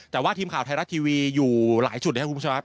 แต่ว่าทีมข่าวไทยรัฐทีวีอยู่หลายจุดนะครับคุณผู้ชมครับ